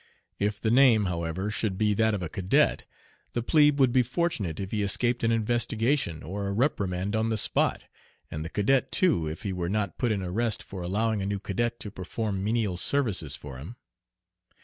If the name, however, should be that of a cadet, the plebe would be fortunate if he escaped an investigation or a reprimand on the spot, and the cadet, too, if he were not put in arrest for allowing a new cadet to perform menial services for him.